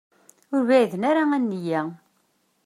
Ur bɛiden ara a nniya.